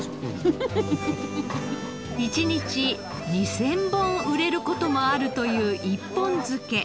１日２０００本売れる事もあるという一本漬け。